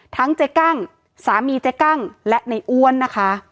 เจ๊กั้งสามีเจ๊กั้งและในอ้วนนะคะ